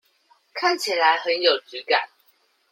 看起來很有質感